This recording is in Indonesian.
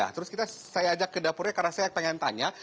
terus saya ajak ke dapurnya karena saya pengen tanya